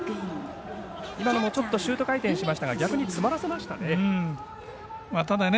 今のもちょっとシュート回転しましたが逆に詰まらせましたね。